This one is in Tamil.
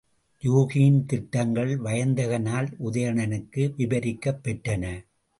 யூகியின் திட்டங்கள் வயந்தகனால் உதயணனுக்கு விவரிக்கப் பெற்றன.